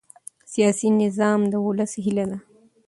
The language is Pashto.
سیاسي نظام د ولس هیله ده